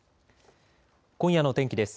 今夜の天気です。